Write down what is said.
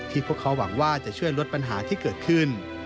พวกเขาหวังว่าจะช่วยลดปัญหาที่เกิดขึ้น